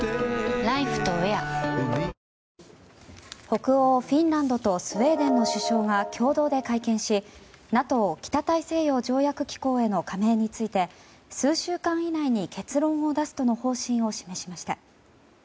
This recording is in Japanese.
北欧フィンランドとスウェーデンの首相が共同で会見しＮＡＴＯ・北大西洋条約機構への加盟について数週間以内に結論を出すとの方針を示しました。